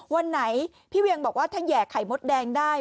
วันไหนพี่เวียงบอกว่าถ้าแห่ไข่มดแดงได้